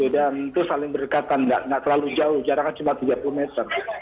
dan itu saling berdekatan tidak terlalu jauh jaraknya cuma tiga puluh meter